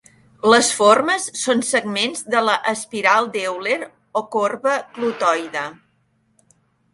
Les formes són segments de la espiral d'Euler o corba clotoide.